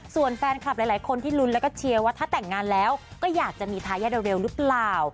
ส่วนแฟนคลับหลายคนที่ลุ้นแล้วก็เชียร์ว่าถ้าแต่งงานแล้วก็อยากจะมีทายาทเร็วหรือเปล่า